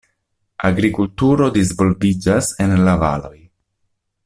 Agrikulturo disvolviĝas en la valoj.